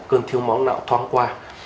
cơn thiếu máu não thoáng qua